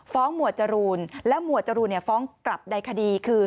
หมวดจรูนและหมวดจรูนฟ้องกลับในคดีคือ